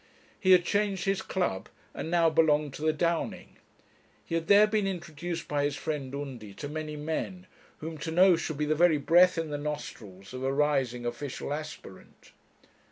He had changed his club, and now belonged to the Downing. He had there been introduced by his friend Undy to many men, whom to know should be the very breath in the nostrils of a rising official aspirant.